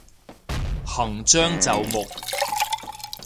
行將就木